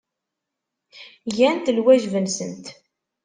Gant lwajeb-nsent.